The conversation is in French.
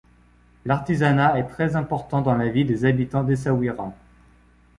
L'artisanat est très important dans la vie des habitants d'Essaouira.